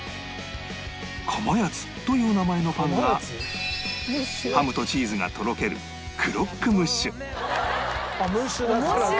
かまやつという名前のパンがハムとチーズがとろけるあっムッシュだからか。